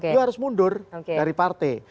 dia harus mundur dari partai